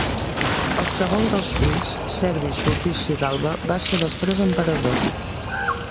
El segon dels fills, Servi Sulpici Galba, va ser després emperador.